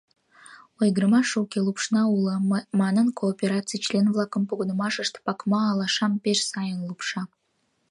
«Ойгырымаш уке, лупшна уло» манын, коопераций член-влакын погынымашышт «пакма алашам» пеш сайын лупша.